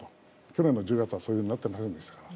去年の１０月ではそういうふうになっていませんでしたから。